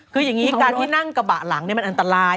คืออย่างนี้การที่นั่งกระบะหลังมันอันตราย